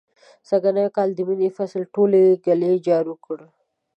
سږنی کال د مني فصل ټول ږلۍ جارو کړ.